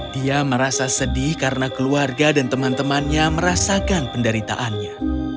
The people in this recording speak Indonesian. dia merasa sedih karena keluarga dan teman temannya merasakan penderitaannya